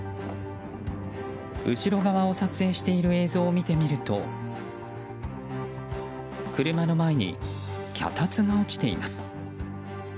後ろ側を撮影している映像を見てみると車の前に脚立が落ちています。